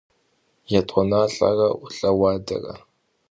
Yêt'uanelh're 'Ulh'e'udanere.